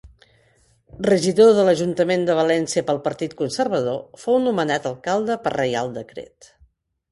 Regidor de l'ajuntament de València pel Partit Conservador, fou nomenat alcalde per Reial Decret.